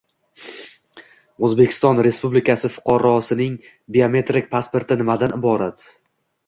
O‘zbekiston Respublikasi fuqarosining biometrik pasporti nimadan iborat?